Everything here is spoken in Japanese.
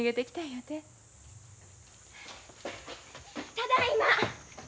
ただいま！